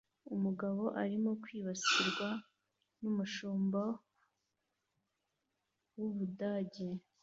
Umugabo arimo kwibasirwa n'Umushumba w'Ubudage